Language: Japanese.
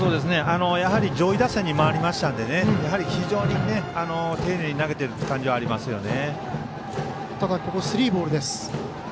やはり、上位打線に回りましたのでやはり非常に丁寧に投げている感じがありますよね。